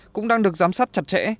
cũng đang được giám sát chặt chẽ